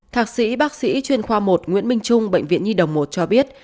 thạc sĩ bác sĩ chuyên khoa một nguyễn minh trung bệnh viện nhi đồng một cho biết